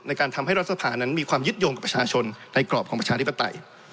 ในการทำให้รัฐสภานั้นมีความยึดโยงกับประชาชนในกรอบของประชาธิปไตย